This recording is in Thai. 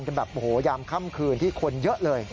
เป็นแบบยามค่ำคืนที่คนเยอะเลย